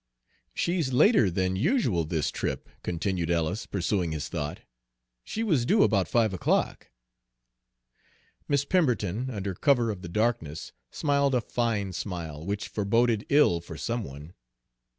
"She's later than usual this trip," continued Ellis, pursuing his thought. "She was due about five o'clock." Miss Pemberton, under cover of the darkness, smiled a fine smile, which foreboded ill for some one.